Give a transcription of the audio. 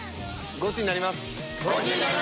ゴチになります！